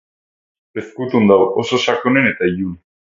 Ezkutuan dago, oso sakonean eta ilun.